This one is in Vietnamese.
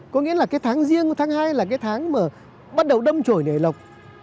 có nghĩa là cái tháng riêng của tháng hai là cái tháng mà bắt đầu đâm trổi nề lọc